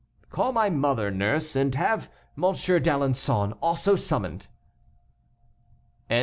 "Call my mother, nurse, and have Monsieur d'Alençon also summoned."